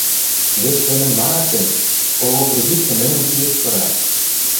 Вес семӹнь манаш гӹнь, кого кредитшӹ нӹнӹн кидӹш пыра...